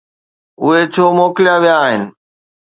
اهي ڇو موڪليا ويا آهن؟